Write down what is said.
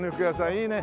いいね。